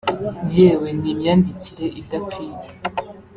yewe n’imyandikire idakwiye